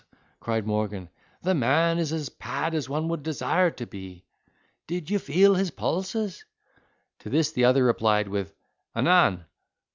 cried Morgan, "the man is as pad as one would desire to be! Did you feel his pulses!" To this the other replied with "Anan!"